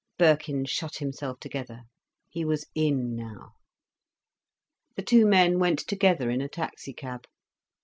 Birkin shut himself together—he was in now. The two men went together in a taxi cab.